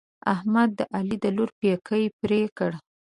احمد د علي د لور پېکی پرې کړ.